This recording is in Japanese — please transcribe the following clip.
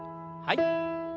はい。